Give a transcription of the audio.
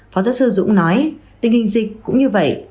phó giáo sư dũng nói tình hình dịch cũng như vậy